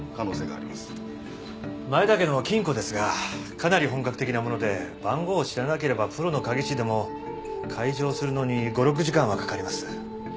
前田家の金庫ですがかなり本格的なもので番号を知らなければプロの鍵師でも解錠するのに５６時間はかかります。